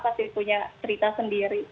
pasti punya cerita sendiri